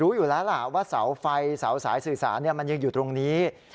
รู้อยู่แล้วล่ะว่าเสาไฟเสาสายสื่อสารมันยังอยู่ตรงนี้